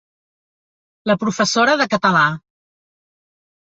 La professora de català.